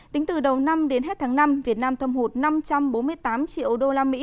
tính từ đầu năm đến hết tháng năm việt nam thâm hụt năm trăm bốn mươi tám triệu usd